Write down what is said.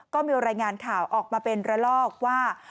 ก็มีรายงานข่าวออกมาเป็นระลอกว่า